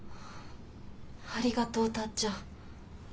ありがとうタッちゃん。